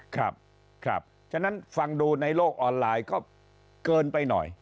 ครับครับฉะนั้นฟังดูในโลกออนไลน์ก็เกินไปหน่อย